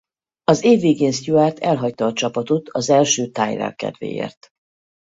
Az év végén Stewart elhagyta a csapatot az első Tyrell kedvéért.